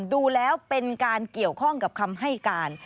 ดูแล้วเป็นการเกี่ยวข้องกับคำให้การ